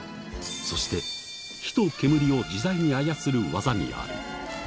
そして火と煙を自在に操る技にあり。